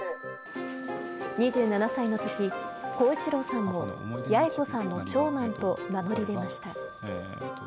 ２７歳のとき、耕一郎さんも、八重子さんの長男と名乗り出ました。